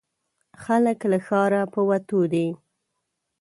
خلک له ښاره په وتو دي.